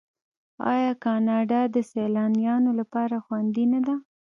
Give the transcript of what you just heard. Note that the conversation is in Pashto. آیا کاناډا د سیلانیانو لپاره خوندي نه ده؟